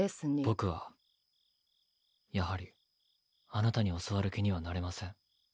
僕はやはりあなたに教わる気にはなれません。